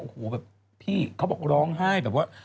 โอ้โหแบบพี่เขาบอกร้องไห้แบบว่า